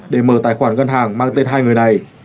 để mở tài khoản ngân hàng mang tên hai người này